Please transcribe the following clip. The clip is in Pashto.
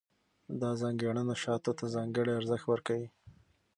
دا ځانګړنه شاتو ته ځانګړی ارزښت ورکوي.